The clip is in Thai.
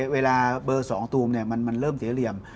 เวลาเบอร์๒ตูมมันเริ่มเสียเหลี่ยม